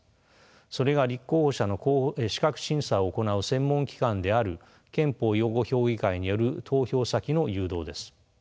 それが立候補者の資格審査を行う専門機関である憲法擁護評議会による投票先の誘導です。